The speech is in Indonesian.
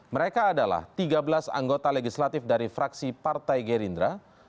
mereka adalah tiga belas anggota legislatif dari fraksi partai gerindra